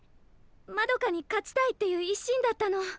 まどかに勝ちたいっていう一心だったの。